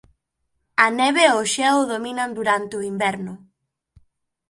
A neve e o xeo dominan durante o invierno.